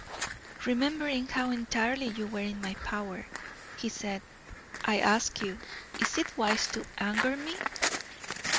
"Remembering how entirely you are in my power," he said, "I ask you, is it wise to anger me?"